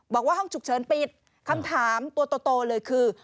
บอกว่าห้องฉุกเฉินปิดคำถามตัวโตเลยคือ